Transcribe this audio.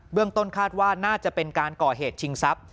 ต้นคาดว่าน่าจะเป็นการก่อเหตุชิงทรัพย